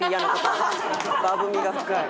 「バブみが深い」。